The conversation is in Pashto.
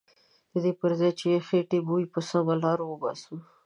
ددې پرځای چې د خیټې بوی په سمه لاره وباسو.